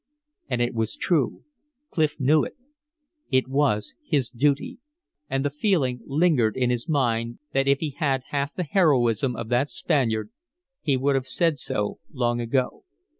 And it was true. Clif knew it. It was his duty; and the feeling lingered in his mind that if he had half the heroism of that Spaniard he would have said so long ago.